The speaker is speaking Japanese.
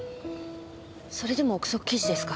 それでも憶測記事ですか？